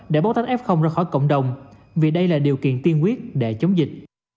để bóc tách f ra khỏi cộng đồng vì đây là điều kiện tiên quyết để chống dịch